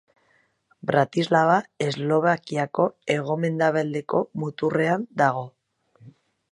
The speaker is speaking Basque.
Bratislava Eslovakiako hegomendebaldeko muturrean dago.